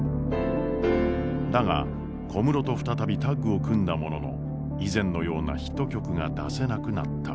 だが小室と再びタッグを組んだものの以前のようなヒット曲が出せなくなった。